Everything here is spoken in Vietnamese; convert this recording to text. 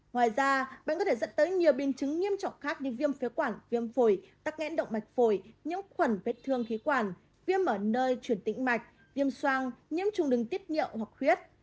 ngoài ra bệnh có thể dẫn tới nhiều biến chứng nghiêm trọng khác như viêm phế quản viêm phổi tắc nghẽn động mạch phổi nhiễm khuẩn vết thương khí quản viêm ở nơi chuyển tĩnh mạch viêm soang nhiễm trùng đường tiết nhiệu hoặc khuyết